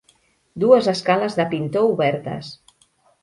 Dues escales de pintor obertes.